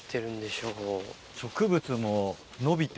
植物も伸びて。